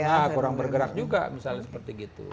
nah kurang bergerak juga misalnya seperti itu